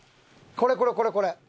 これこれこれこれ！